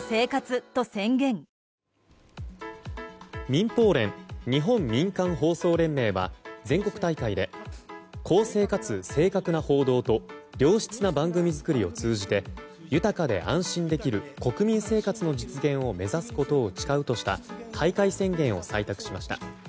民放連・日本民間放送連盟は全国大会で公正かつ正確な報道と良質な番組作りを通じて豊かで安心できる国民生活の実現を目指すことを誓うとした大会宣言を採択しました。